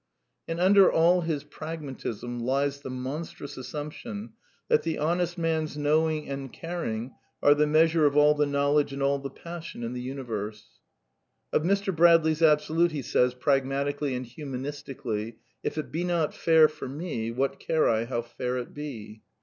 And under all his Pragmatism lies the monstrous as^ ^^ sumption that the honest man's knowing and caring are ^ the measure of all the knowledge and all the passion in the i universe. Of Mr. Bradley's Absolute he says, pragmati cally and humanistically :" If It be not fair for me, what care I how fair It be